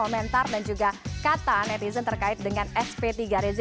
memang mereka berada di barat